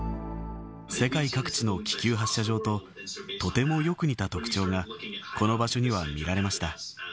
世界各地の気球発射場と、とてもよく似た特徴が、この場所には見られました。